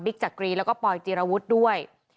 จักรีแล้วก็ปอยจีรวุฒิด้วย